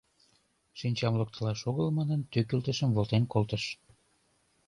Шинчам локтылаш огыл манын, тӱкылтышым волтен колтыш.